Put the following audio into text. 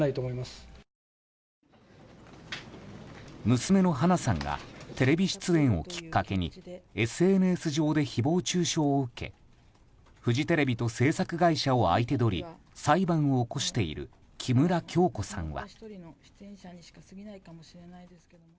娘の花さんがテレビ出演をきっかけにＳＮＳ上で誹謗中傷を受けフジテレビと制作会社を相手取り裁判を起こしている木村響子さんは。